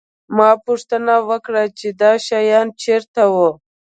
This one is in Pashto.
ما پوښتنه وکړه چې دا شیان چېرته وو